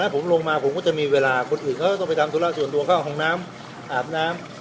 ผมตื่นเช้า